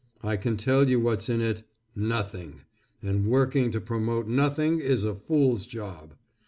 I can tell you what's in it: "Nothing!" and working to promote nothing is a fool's job.